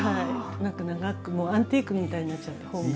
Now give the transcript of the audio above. なんか長くもうアンティークみたいになっちゃった本が。